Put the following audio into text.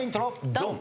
ドン！